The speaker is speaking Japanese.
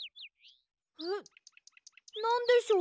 えっなんでしょう？